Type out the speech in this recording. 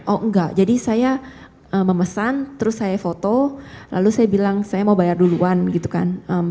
oh enggak jadi saya memesan terus saya foto lalu saya bilang saya mau bayar duluan gitu kan